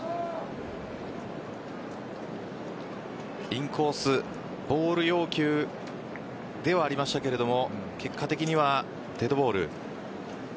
インコースボール要求ではありましたが結果的にはデッドボール。